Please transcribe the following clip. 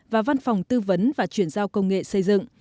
và văn phòng tư vấn và chuyển giao công nghệ xây dựng